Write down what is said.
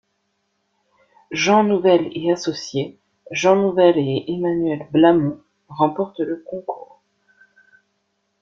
Jean Nouvel et associés, Jean Nouvel et Emmanuel Blamont, remportent le concours.